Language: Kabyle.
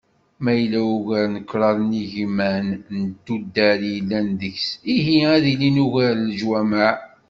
Ma yella ugar n kraḍ n yigiman n tuddar i yellan deg-s, ihi ad ilin ugar n leǧwamaɛ.